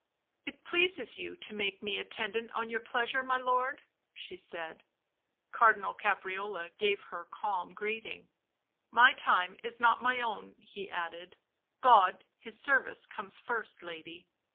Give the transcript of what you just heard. " It pleases you to make me attendant on your pleasure, my lord," she said. Cardinal Caprarola gave her calm greeting. " My time is not my own," he added. " God His service comes first, lady."